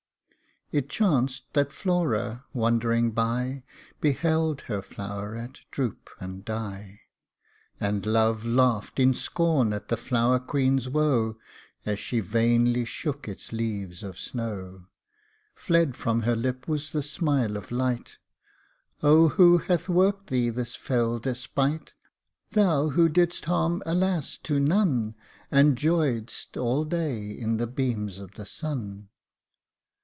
tfc It chanced that Flora, wandering by, Beheld her flow'ret droop and die ; And Love laughed in scorn at the flower queen's woe, As she vainly shook its leaves of snow. Fled from her lip was the smile of light :" Oh ! who hath worked thee this fell despite! Thou who did'st harm, alas ! to none, But joyed'st all day in the beams of the sun